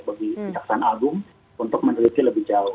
bagi pihak pihak agung untuk meneliti lebih jauh